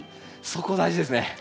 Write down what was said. そこ大事ですね。